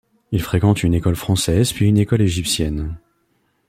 Il fréquente une école française puis une école égyptienne.